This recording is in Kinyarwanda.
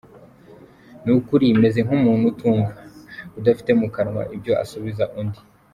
Ni ukuri meze nk’umuntu utumva, Udafite mu kanwa ibyo asubiza undi.